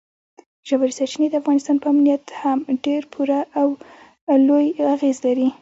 ژورې سرچینې د افغانستان په امنیت هم ډېر پوره او لوی اغېز لري.